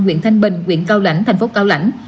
huyện thanh bình huyện cao lãnh thành phố cao lãnh